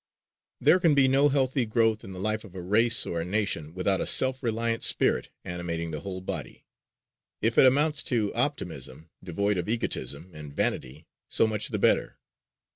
] There can be no healthy growth in the life of a race or a nation without a self reliant spirit animating the whole body; if it amounts to optimism, devoid of egotism and vanity, so much the better.